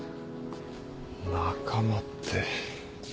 仲間って。